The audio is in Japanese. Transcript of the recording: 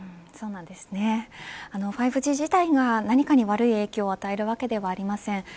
そうなんですね、５Ｇ自体が何かに悪い影響を与えるわけではありません。